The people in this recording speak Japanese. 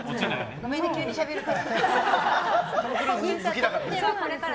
ごめんね急にしゃべるから。